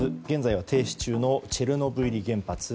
現在は停止中のチェルノブイリ原発。